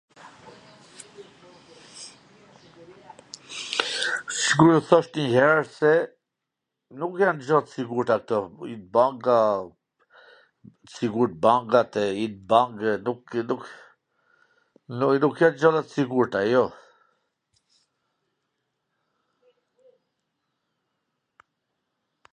Sikur e thash njw her se nuk jan gja t sigurta kto, uinbanka, t sigurta bankat, e i bankat e nukw, nuk jan gjana t sigurta jo,